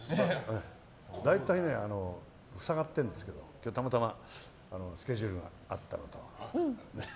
大体ね、塞がってるんですけど今日たまたまスケジュールがあったので。